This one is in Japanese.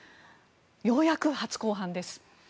ようやく初公判です。